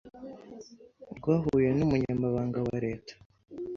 ryahuye n’Umunyamabanga wa Leta